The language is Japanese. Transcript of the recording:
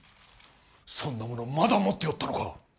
そんなものまだ持っておったのか？